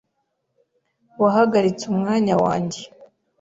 Wahagaritse umwanya wanjye .